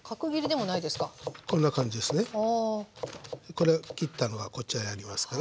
これ切ったのがこちらにありますから。